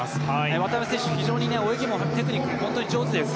渡辺選手は非常に泳ぎのテクニックも上手です。